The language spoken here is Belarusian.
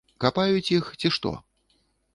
Капаюць іх, ці што?